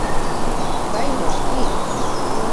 Bai, noski!